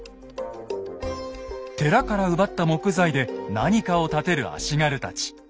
寺から奪った木材で何かを建てる足軽たち。